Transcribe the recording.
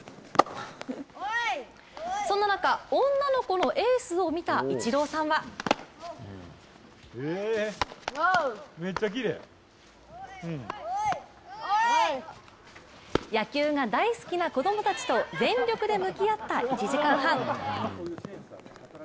そんな中、女の子のエースを見たイチローさんは野球が大好きな子供たちと全力で向き合った１時間半。